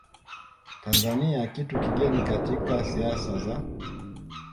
Tanzania kitu kigeni katika siasa za